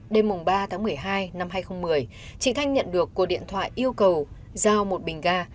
đêm ba tháng một mươi hai năm hai nghìn một mươi chị thanh nhận được cuộc điện thoại yêu cầu giao một bình ga